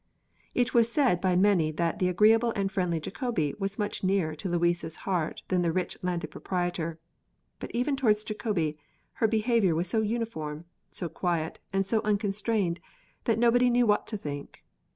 It was said by many that the agreeable and friendly Jacobi was much nearer to Louise's heart than the rich Landed Proprietor. But even towards Jacobi her behavior was so uniform, so quiet, and so unconstrained that nobody knew what to think.